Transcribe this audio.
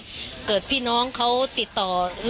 เป็นวันที่๑๕ธนวาคมแต่คุณผู้ชมค่ะกลายเป็นวันที่๑๕ธนวาคม